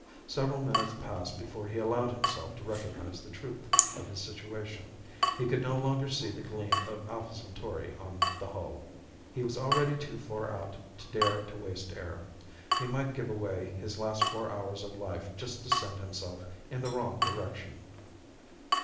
Several minutes passed before he allowed himself to recognize the truth of his situation: he could no longer see the gleam of Alpha Centauri on the hull! He was already too far out to dare to waste air. He might give away his last four hours of life just to send himself in the wrong direction.